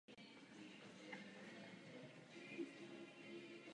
Absolvoval Fakultu dětského lékařství Univerzity Karlovy v Praze.